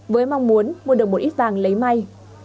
với mong muốn mua được một ít vàng lấy may